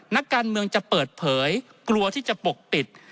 นักการเมืองจะเปิดเผยกลัวที่จะปกปิด